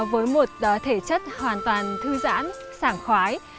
với một thể chất hoàn toàn thư giãn sảng khoái